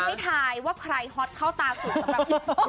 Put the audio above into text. ไม่ใจว่าใครฮ็อตเข้าตาสุดสำหรับกิมบุระ